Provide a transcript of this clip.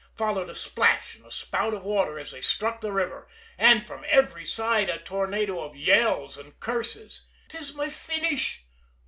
Followed a splash and a spout of water as they struck the river and from every side a tornado of yells and curses. "'Tis my finish!"